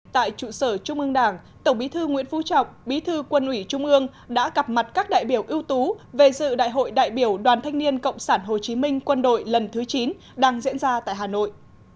tại trụ sở trung ương đảng tổng bí thư nguyễn phú trọng bí thư quân ủy trung ương đã gặp mặt các đại biểu ưu tú về dự đại hội đại biểu đoàn thanh niên cộng sản hồ chí minh quân đội lần thứ chín đang diễn ra tại hà nội